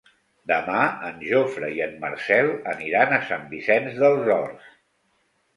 Demà en Jofre i en Marcel aniran a Sant Vicenç dels Horts.